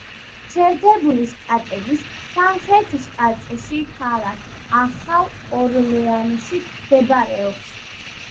შეერთებული შტატების სამხრეთ შტატში, ქალაქ ახალ ორლეანში მდებარეობს.